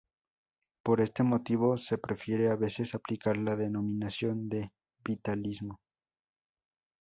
Por este motivo, se prefiere a veces aplicar la denominación de vitalismo.